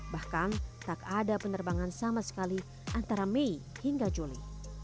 bahkan tak ada penerbangan sama sekali antara mei hingga juli